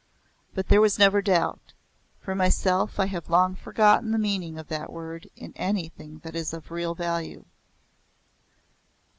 But there was never doubt. For myself I have long forgotten the meaning of that word in anything that is of real value.